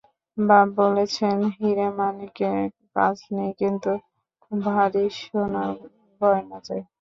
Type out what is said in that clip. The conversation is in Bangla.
বাপ বলেছেন, হীরে-মানিকে কাজ নেই, কিন্তু খুব ভারী সোনার গয়না চাই।